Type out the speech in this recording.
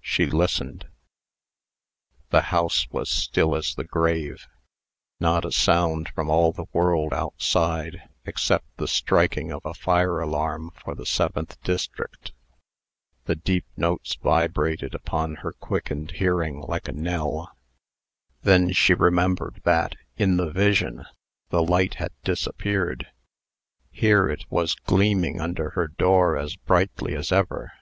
She listened. The house was still as the grave. Not a sound from all the world outside, except the striking of a fire alarm for the seventh district. The deep notes vibrated upon her quickened hearing like a knell. Then she remembered that, in the vision, the light had disappeared. Here it was gleaming under her door as brightly as ever.